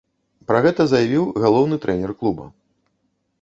Пра гэта заявіў галоўны трэнер клуба.